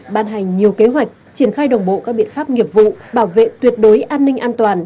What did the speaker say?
ban hành nhiều kế hoạch triển khai đồng bộ các biện pháp nghiệp vụ bảo vệ tuyệt đối an ninh an toàn